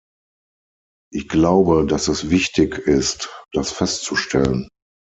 Ich glaube, dass es wichtig ist, das festzustellen.